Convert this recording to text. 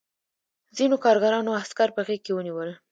ځینو کارګرانو عسکر په غېږ کې ونیول